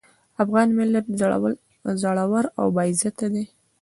افغان ملت زړور او باعزته دی.